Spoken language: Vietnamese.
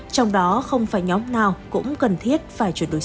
trong đó không phải nhóm nào cũng cần thiết phải chuyển đổi số